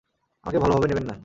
আমাকে ভালোভাবে নেবেন না।